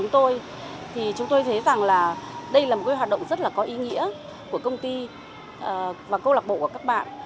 tôi thấy rằng là đây là một cái hoạt động rất là có ý nghĩa của công ty và công lạc bộ của các bạn